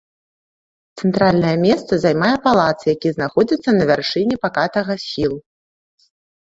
Цэнтральнае месца займае палац, які знаходзіцца на вяршыні пакатага схілу.